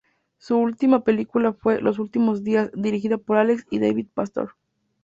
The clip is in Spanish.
Su última película fue "Los últimos días", dirigida por Alex y David Pastor.